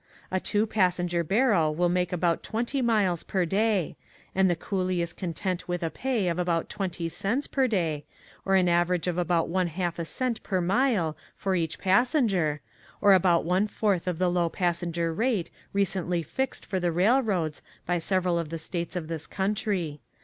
A two pas senger barrow will make about 20 miles per day, and the coolie is content with a pay of about 20 cents per day, or an average of about one half a cent per mile for each passenger, or about one fourth of the low passenger rate recently fixed for the railroads by several of the States of this country.